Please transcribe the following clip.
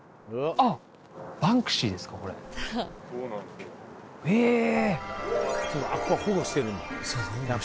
あっこは保護してるんだやっぱ。